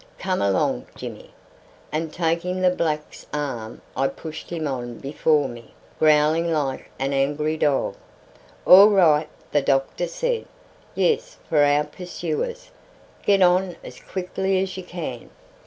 "Come along, Jimmy;" and taking the black's arm I pushed him on before me, growling like an angry dog. "All right!" the doctor said. "Yes, for our pursuers! Get on as quickly as you can."